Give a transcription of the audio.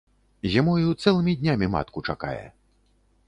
Зімою цэлымі днямі матку чакае.